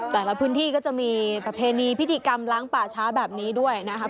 แต่ละพื้นที่ก็จะมีประเพณีพิธีกรรมล้างป่าช้าแบบนี้ด้วยนะครับ